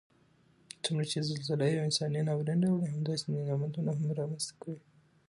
څومره چې زلزله یو انساني ناورین راوړي همداسې نعمتونه هم رامنځته کړي